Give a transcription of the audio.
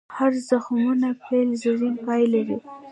هر د زخمتونو پیل؛ زرین پای لري.